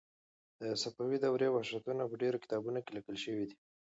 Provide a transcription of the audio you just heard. د صفوي دورې وحشتونه په ډېرو کتابونو کې لیکل شوي دي.